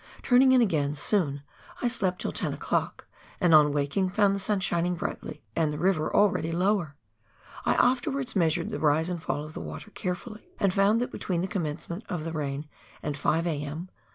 Turning in again soon, I slept till 10 o'clock, and on waking, found the sun shining brightly, and the river already lower. I afterwards measured the rise and fall of the water carefully, and found that between the commencement of the rain and 5 a.m.